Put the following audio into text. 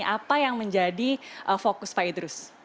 apa yang menjadi fokus pak idrus